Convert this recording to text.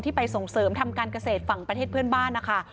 ไปส่งเสริมทำการเกษตรฝั่งประเทศเพื่อนบ้านนะคะ